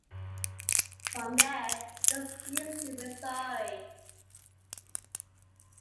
From there it goes east to Missouri.